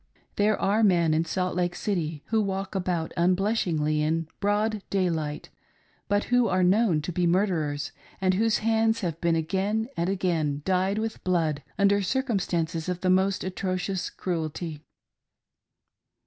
There are men in Salt Lake City, who walk about unblush ingly in broad daylight, but who are known to be murderers, and whose hands have been again and again dyed with blood under circumstances of the most atrocious cruelty.